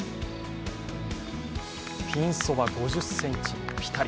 ピンそば５０ｃｍにピタリ。